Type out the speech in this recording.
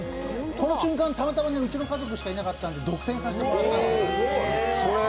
この瞬間、たまたまうちの家族しかいなかったんで独占させてもらって。